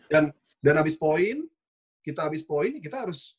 dan dan habis point kita habis point kita harus